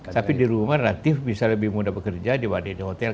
tapi di rumah relatif bisa lebih mudah bekerja dibanding hotel